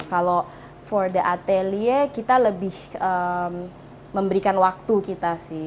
kalau untuk atelier kita lebih memberikan waktu kita sih